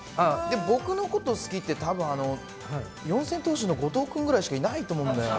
僕のこと好きって、たぶん、四千頭身の後藤君ぐらいしかいないと思うんだよな。